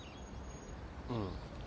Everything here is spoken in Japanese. うん。